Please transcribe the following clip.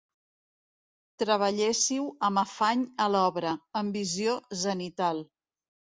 Treballéssiu amb afany a l'obra, en visió zenital.